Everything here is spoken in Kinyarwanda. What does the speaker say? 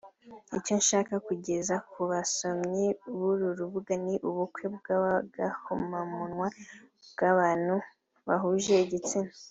Icyo nshaka kugeza ku basomyi b’uru rubuga ni ubukwe bw’agahomamunwa bw’abantu bahuje igitsina